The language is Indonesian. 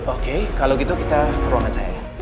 oke kalau gitu kita ke ruangan saya